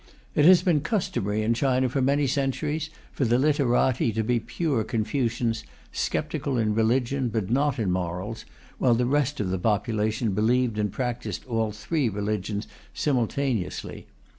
It has been customary in China, for many centuries, for the literati to be pure Confucians, sceptical in religion but not in morals, while the rest of the population believed and practised all three religions simultaneously.